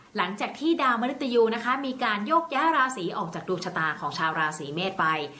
หลังจากที่ดาวมนุษยูนะคะมีการโยกย้ายราศีออกจากดวงชะตาของชาวราศีเมษไป